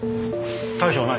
大将は何？